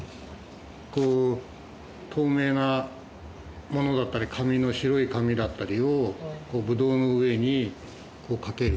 こう透明なものだったり白い紙だったりをブドウの上にかける。